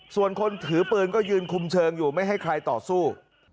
ส่วนคนถือปืนก็ยืนคุมเชิงอยู่ไม่ให้ใครต่อสู้